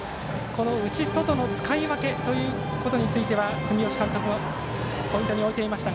この内、外の使い分けについて住吉監督もポイントに置いていました。